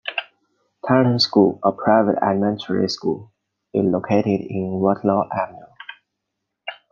Tarleton School, a private elementary school, is located on Waterloo Avenue.